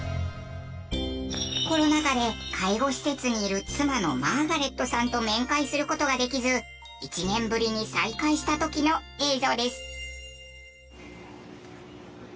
コロナ禍で介護施設にいる妻のマーガレットさんと面会する事ができず１年ぶりに再会した時の映像です。